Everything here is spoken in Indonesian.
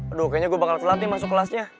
aduh kayaknya gue bakal telat nih masuk kelas nya